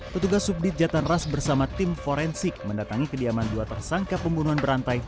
petugas subdit jatan ras bersama tim forensik mendatangi kediaman dua tersangka pembunuhan berantai